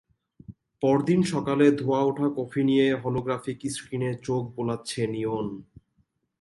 পরদিন সকালে ধোঁয়া ওঠা কফি নিয়ে হলোগ্রাফিক স্ক্রিনে চোখ বোলাচ্ছে নিওন।